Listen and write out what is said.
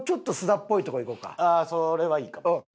ああそれはいいかも。